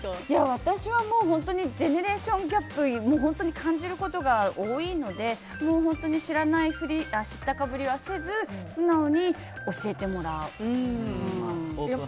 私はジェネレーションギャップを感じることが多いので知らないふりとか知ったかぶりはせず素直に教えてもらう。